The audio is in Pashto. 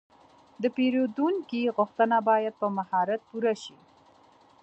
د پیرودونکي غوښتنه باید په مهارت پوره شي.